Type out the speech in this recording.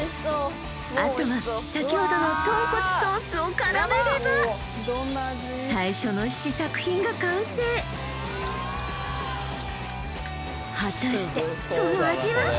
あとは先ほどのとんこつソースを絡めれば最初の試作品が完成果たしてその味は？